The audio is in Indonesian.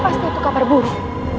itu pasti kabar buruk